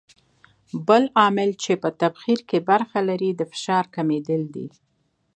بل عامل چې په تبخیر کې برخه لري د فشار کمېدل دي.